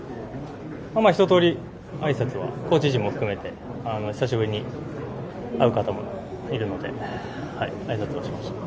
ひと通り、あいさつはコーチ陣も含めて久しぶりに会う方もいるのであいさつをしました。